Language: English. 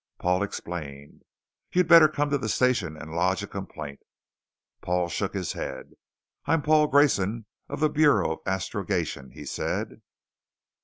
Paul explained. "You'd better come to the station and lodge a complaint." Paul shook his head. "I'm Paul Grayson of the Bureau of Astrogation," he said.